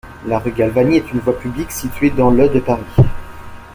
La rue Galvani est une voie publique située dans le de Paris.